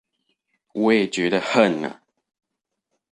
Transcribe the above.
我也覺得恨啊